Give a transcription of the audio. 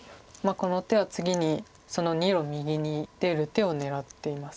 この手は次にその２路右に出る手を狙っています。